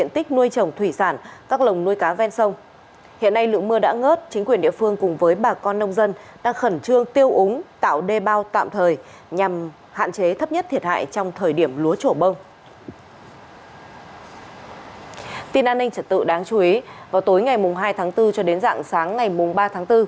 tin an ninh trật tự đáng chú ý vào tối ngày hai tháng bốn cho đến dạng sáng ngày ba tháng bốn